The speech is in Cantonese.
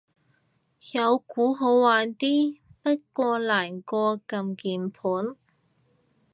有鼓好玩啲，不過難過撳鍵盤